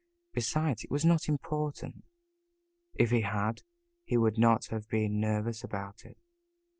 Besides, it was not important. If he had, he would not have been nervous about it.